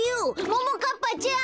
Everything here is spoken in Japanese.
ももかっぱちゃん！